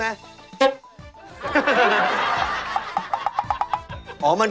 ป๊าขอหนึ่งแป๊ดได้ไหม